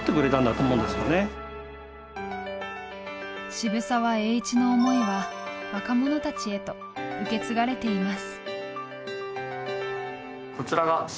渋沢栄一の思いは若者たちへと受け継がれています。